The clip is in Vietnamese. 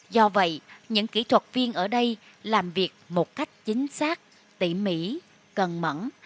do vậy những kỹ thuật viên ở đây làm việc một cách chính xác tỉ mỉ cần mẫn